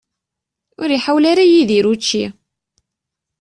Ur iḥawel ara Yidir učči.